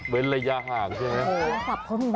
ระยะห่างใช่ไหม